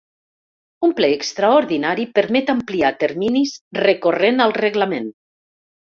Un ple extraordinari permet ampliar terminis recorrent al reglament.